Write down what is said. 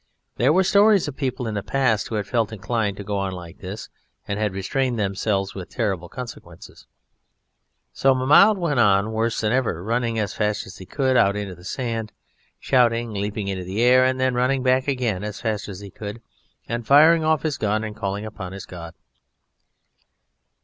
There were stories of people in the past who had felt inclined to go on like this and had restrained themselves with terrible consequences. So Mahmoud went on worse than ever, running as fast as he could out into the sand, shouting, leaping into the air, and then running back again as fast as he could, and firing off his gun and calling upon his god.